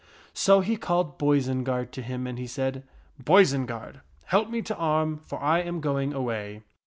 So he called Boisenard to him, and he said, " Boisenard, help me to arm, for I am going away."